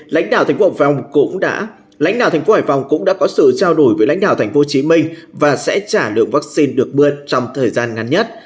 lãnh đạo thành phố hải phòng cũng đã có sự trao đổi với lãnh đạo thành phố hồ chí minh và sẽ trả lượng vaccine được mượn trong thời gian ngắn nhất